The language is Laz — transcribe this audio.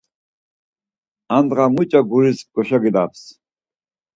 Andğa muç̌o guris goşagilaps?